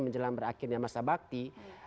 menjelang berakhirnya masa bakti